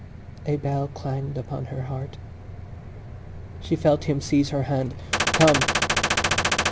A bell clanged upon her heart. She felt him seize her hand: "Come!"